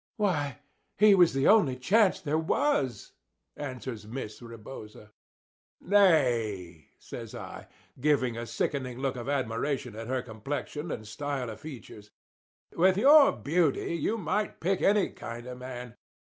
"Why, he was the only chance there was," answers Miss Rebosa. "Nay," says I, giving a sickening look of admiration at her complexion and style of features; "with your beauty you might pick any kind of a man.